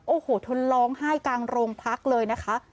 โอ้โหเธอร้องไห้กลางโรงพักเลยนะคะ